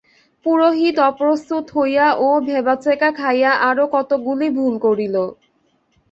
পুরোহিত অপ্রস্তুত হইয়া ও ভেবাচেকা খাইয়া আরো কতকগুলি ভুল করিল।